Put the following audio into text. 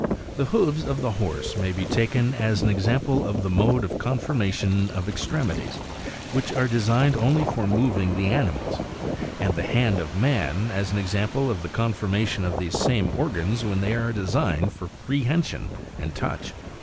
13. The hoofs of the horse may be taken as an example of the mode of conformation of extremities, which are designed only for moving the animal ; and the hand of man, as an example of the conformation of these same organs when they are designed for prehension and touch.